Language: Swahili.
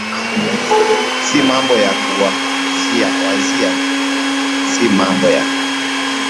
si mambo ya kuwazia wazia tu si mambo ya